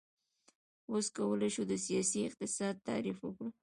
اوس کولی شو د سیاسي اقتصاد تعریف وکړو.